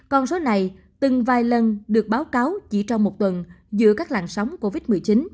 con số này từng vài lần được báo cáo chỉ trong một tuần giữa các làn sóng covid một mươi chín